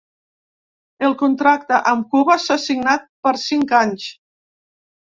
El contracte amb Cuba s’ha signat per cinc anys.